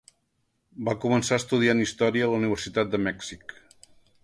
Va començar estudiant història a la Universitat de Mèxic.